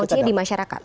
koncinya di masyarakat